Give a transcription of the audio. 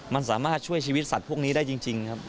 มันสามารถช่วยชีวิตสัตว์พวกนี้ได้จริงครับ